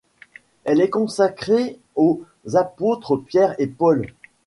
Elle est consacrée aux apôtres Pierre et Paul.